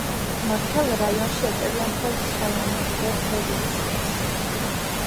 მთელ რაიონში ეწევიან თევზის ხელოვნურ რეპროდუქციას.